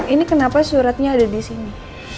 ini kenapa suratnya ada disini